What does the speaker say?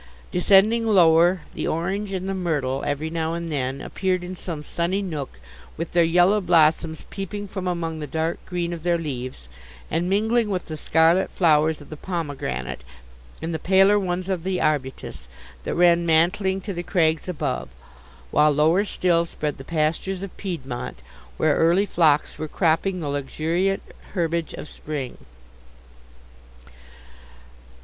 Descending lower, the orange and the myrtle, every now and then, appeared in some sunny nook, with their yellow blossoms peeping from among the dark green of their leaves, and mingling with the scarlet flowers of the pomegranate and the paler ones of the arbutus, that ran mantling to the crags above; while, lower still, spread the pastures of Piedmont, where early flocks were cropping the luxuriant herbage of spring.